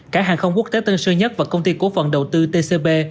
cả hàng không quốc tế tân sơn nhất và công ty cố phận đầu tư tcp